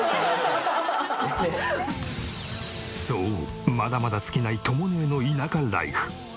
そうまだまだ尽きないとも姉の田舎ライフ。